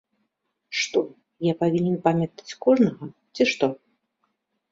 Што, я павінен памятаць кожнага, ці што?